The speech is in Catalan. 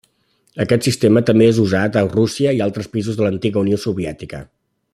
Aquest sistema també és usat a Rússia i altres països de l'antiga Unió Soviètica.